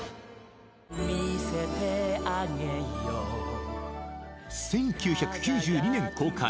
見せてあげよう１９９２年公開